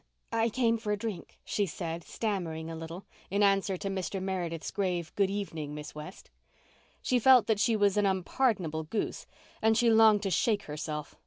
"I—I came for a drink," she said, stammering a little, in answer to Mr. Meredith's grave "good evening, Miss West." She felt that she was an unpardonable goose and she longed to shake herself.